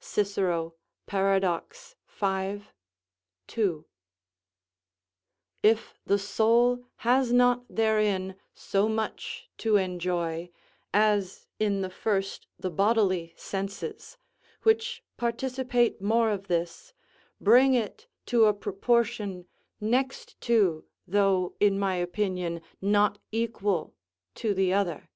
Cicero, Paradox, v. 2.] If the soul has not therein so much to enjoy, as in the first the bodily senses, which participate more of this, bring it to a proportion next to, though, in my opinion, not equal to the other.